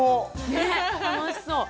ねっ楽しそう。